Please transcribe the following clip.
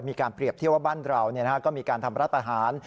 มีการเปรียบเทียบว่าบ้านเราก็มีการทำรัฐประหาร